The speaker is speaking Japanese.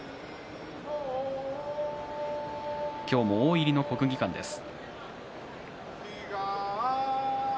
今日も大入りの国技館です。